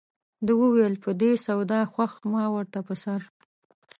ده وویل په دې سودا خوښ ما ورته په سر.